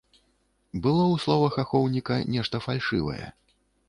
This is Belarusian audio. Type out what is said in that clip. Было ў словах ахоўніка нешта фальшывае.